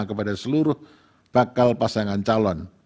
kepada seluruh bakal pasangan calon